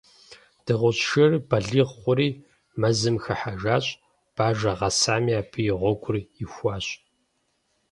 Дыгъужь шырыр балигъ хъури, мэзым хыхьэжащ, бажэ гъэсами абы и гъуэгур ихуащ.